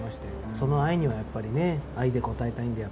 その愛にはやっぱりね愛で応えたいんだよ